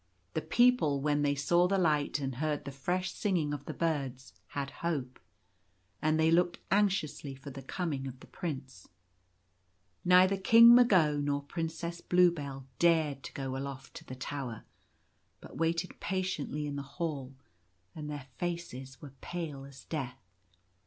The people, when they saw the light and heard the fresh singing of the birds, had hope ; and they looked anxiously for the coming of the Prince. Neither King Mago nor Princess Bluebell dared to go aloft to the tower, but waited patiently in the hall ; and their faces were pale as death.